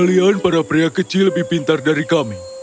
kalian para pria kecil lebih pintar dari kami